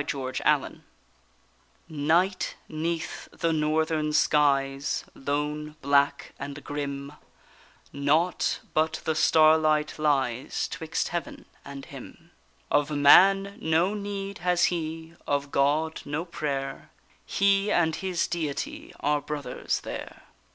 THE CAMPER Night 'neath the northern skies, lone, black, and grim: Naught but the starlight lies 'twixt heaven, and him. Of man no need has he, of God, no prayer; He and his Deity are brothers there.